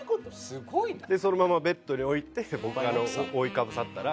すごいな。でそのままベッドに置いて僕が覆いかぶさったら。